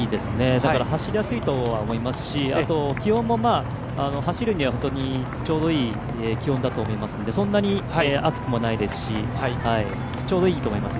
だから走りやすいとは思いますし、気温は走るにはちょうどいい気温だと思いますので、そんなに暑くもないですし、ちょうどいいと思いますね。